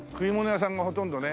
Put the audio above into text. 屋さんがほとんどね